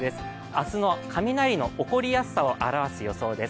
明日の雷の起こりやすさを現す予想です。